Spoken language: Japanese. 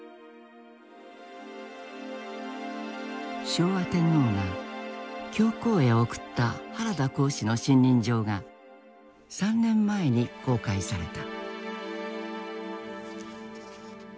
昭和天皇が教皇へ送った原田公使の信任状が３年前に公開された。